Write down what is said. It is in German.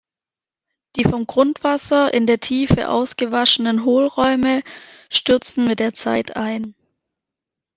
Die vom Grundwasser in der Tiefe ausgewaschenen Hohlräume stürzten mit der Zeit ein.